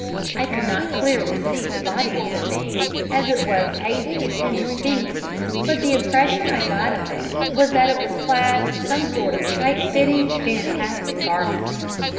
I could not clearly see the body of the thing, as it was hazy and indistinct, but the impression I got of it was that it was clad in some sort of tight fitting, fantastic garment.